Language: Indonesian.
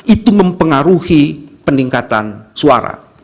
itu mempengaruhi peningkatan suara